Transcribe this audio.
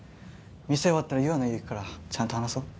店終わったら優愛の家行くからちゃんと話そう。